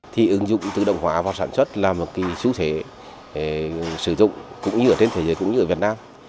thì ứng dụng tự động hóa vào sản xuất là một cái xu thế sử dụng cũng như ở trên thế giới cũng như ở việt nam